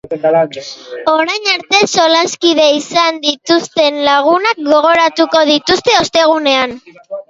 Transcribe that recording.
Orain arte solaskide izan dituzten lagunak gogoratuko dituzte ostegunean.